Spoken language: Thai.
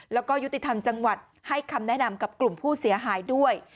แล้วก็ยุติธรรมจังหวัดให้คำแนะนำกับกลุ่มผู้เสียหายด้วย